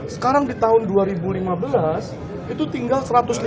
sekarang di tahun dua ribu lima belas itu tinggal satu ratus lima puluh